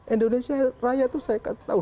indonesia raya itu saya kasih tahu